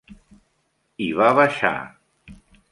I va baixar.